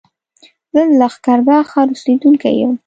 زه د لښکرګاه ښار اوسېدونکی يم